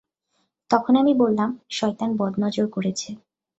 তখন আমি বললাম, শয়তান বদনজর করেছে।